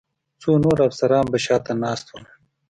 څو نور افسران به شا ته ناست ول.